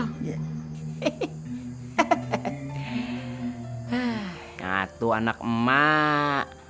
hatu anak emak